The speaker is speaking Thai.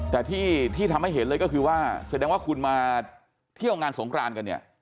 แต่ที่ทำให้เห็นเลยก็คือว่าแสดงว่าคุณมาเที่ยวงานสงครานกันเนี่ย